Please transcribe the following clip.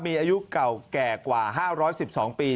มีอายุเก่าแก่กว่า๕๑๒ปี